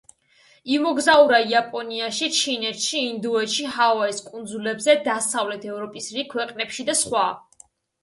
იმოგზაურა იაპონიაში, ჩინეთში, ინდოეთში, ჰავაის კუნძულებზე, დასავლეთ ევროპის რიგ ქვეყნებში და სხვა.